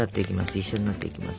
一緒になっていきます。